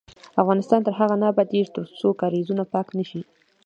افغانستان تر هغو نه ابادیږي، ترڅو کاریزونه پاک نشي.